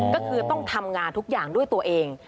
ก็คือต้องทำงานทุกอย่างด้วยตัวเอง